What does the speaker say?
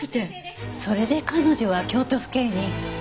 それで彼女は京都府警に。